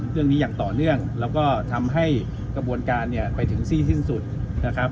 อย่างต่อเนื่องแล้วก็ทำให้กระบวนการเนี่ยไปถึงสิ้นสุดนะครับ